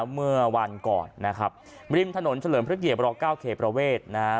เมื่อวันก่อนนะครับริมถนนเฉลิมพระเกียรเก้าเขตประเวทนะฮะ